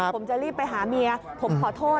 ผมจะรีบไปหาเมียผมขอโทษ